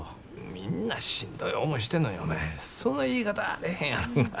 みんなしんどい思いしてんのにお前その言い方はあれへんやろが。